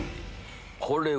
これは。